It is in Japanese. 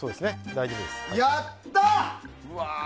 やった！